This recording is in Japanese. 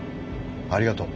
ありがとう。